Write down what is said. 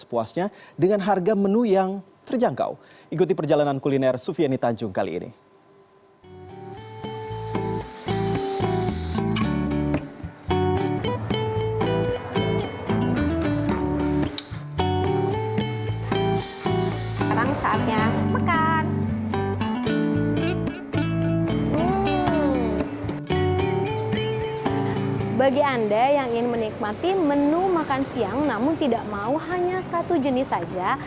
bagi anda yang ingin menikmati menu makan siang namun tidak mau hanya satu jenis saja